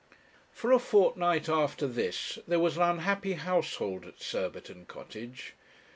For a fortnight after this there was an unhappy household at Surbiton Cottage.